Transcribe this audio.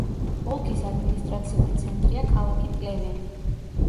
ოლქის ადმინისტრაციული ცენტრია ქალაქი პლევენი.